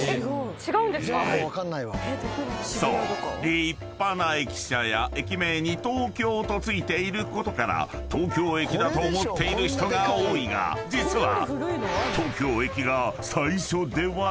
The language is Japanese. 立派な駅舎や駅名に「東京」と付いていることから東京駅だと思っている人が多いが実は］